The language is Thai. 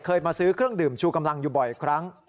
มาซื้อเครื่องดื่มชูกำลังอยู่บ่อยครั้ง